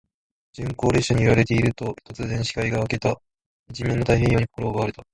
鈍行列車に揺られていると、突然、視界が開けた。一面の太平洋に心を奪われた。